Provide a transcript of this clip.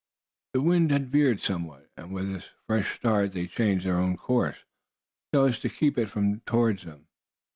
The wind had veered somewhat, and with this fresh start they changed their own course, so as to keep it coming toward them.